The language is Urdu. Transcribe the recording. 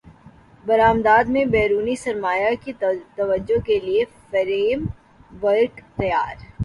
برامدات میں بیرونی سرمایہ کی توجہ کیلئے فریم ورک تیار